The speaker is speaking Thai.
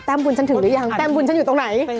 แต้มบุญฉันถือรึยังแต้มบุญฉันอยู่ตรงไหน